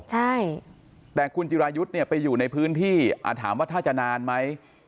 ใช่แต่คุณจิรายุทธ์เนี่ยไปอยู่ในพื้นที่ถามว่าถ้าจะนานไหม